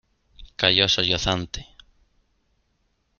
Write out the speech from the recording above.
calló sollozante.